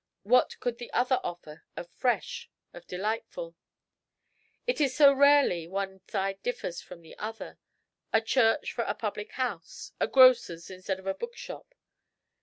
What could the other offer of fresh, of delightful? It is so rarely one side differs from the other: a church for a public house, a grocer's instead of a bookshop.